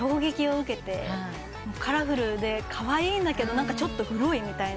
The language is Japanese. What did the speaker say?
カラフルでカワイイんだけどちょっとグロいみたいな。